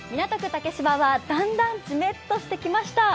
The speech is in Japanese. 竹芝はだんだんじめっとしてきました。